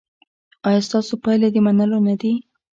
ایا ستاسو پایلې د منلو نه دي؟